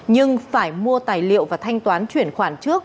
nhưng phải mua tài liệu và thanh toán chuyển khoản trước